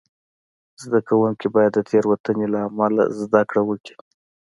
زده کوونکي باید د تېروتنې له امله زده کړه وکړي.